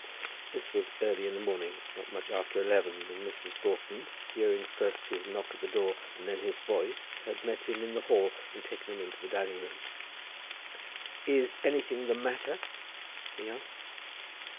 This was early in the morning, not much after eleven, and Mrs. Broughton, hearing first his knock at the door, and then his voice, had met him in the hall and taken him into the dining room. "Is anything the matter?" he asked.